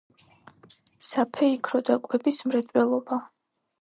საფეიქრო და კვების მრეწველობა.